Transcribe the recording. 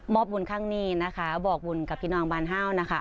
บุญข้างนี้นะคะบอกบุญกับพี่น้องบานห้าวนะคะ